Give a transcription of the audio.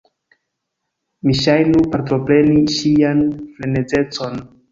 Mi ŝajnu partopreni ŝian frenezecon.